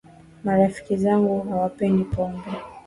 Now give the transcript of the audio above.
Marafiki zangu hawapendi pombe